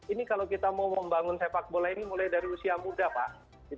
ini kalau kita mau membangun sepak bola ini mulai dari usia muda pak